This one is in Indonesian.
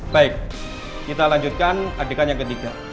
baik kita lanjutkan adegan yang ketiga